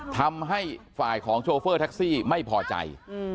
ทำให้ฝ่ายของโชเฟอร์แท็กซี่ไม่พอใจ